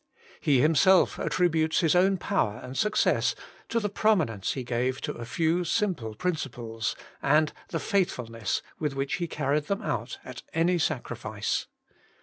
He 26 Working for God 27 himself attributes his own power and suc cess to the prominence he gave to a few simple principles, and the faithfulness with which he carried them out at any sacrifice.